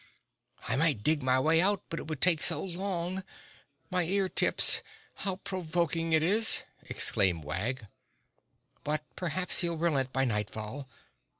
"I might dig my way out but it would take so long! My ear tips! How provoking it is!" exclaimed Wag. "But perhaps he'll relent by nightfall!"